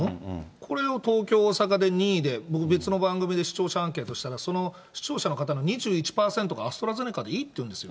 これを東京、大阪で任意で、僕、別の番組で視聴者アンケートしたら、その視聴者の２１％がアストラゼネカでいいって言うんですよ。